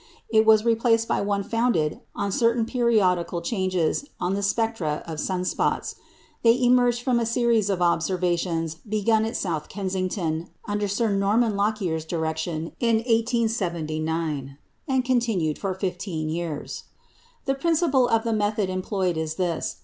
It was replaced by one founded on certain periodical changes on the spectra of sun spots. They emerged from a series of observations begun at South Kensington under Sir Norman Lockyer's direction in 1879, and continued for fifteen years. The principle of the method employed is this.